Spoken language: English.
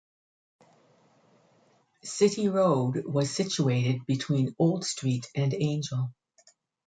City Road was situated between Old Street and Angel.